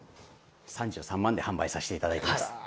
３３万で販売させていただいています。